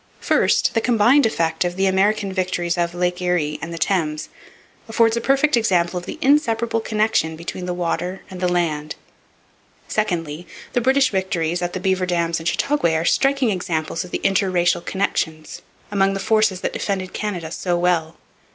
First, the combined effect of the American victories of Lake Erie and the Thames affords a perfect example of the inseparable connection between the water and the land. Secondly, the British victories at the Beaver Dams and Chateauguay are striking examples of the inter racial connection among the forces that defended Canada so well.